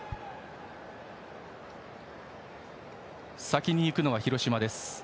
先に行くのは広島です。